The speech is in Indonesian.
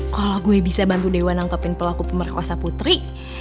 kalau gue bisa bantu dewa nangkepin pelaku pemerkosa putri